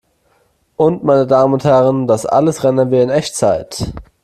Und, meine Damen und Herren, das alles rendern wir in Echtzeit!